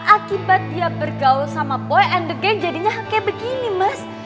akibat dia bergaul sama point and the game jadinya kayak begini mas